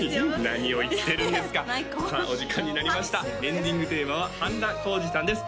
何を言ってるんですかさあお時間になりましたエンディングテーマは半田浩二さんです